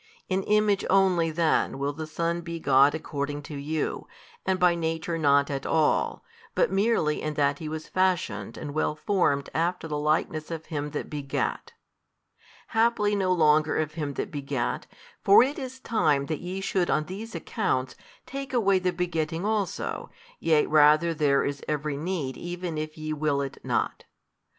In image only then will the Son be God according to you, and by Nature not at all, but merely in that He was fashioned and well formed after the Likeness of Him That begat; haply no longer of Him That begat: for it is time that ye should on these accounts take away the begetting also, yea rather there is every need even if ye will it not.